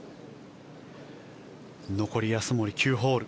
残り、安森、９ホール。